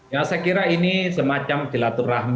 ya saya kira ini semacam jelatur rahmi